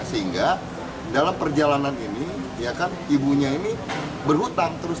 sehingga dalam perjalanan ini ibunya ini berhutang terus